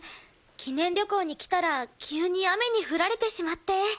記念旅行に来たら急に雨に降られてしまって。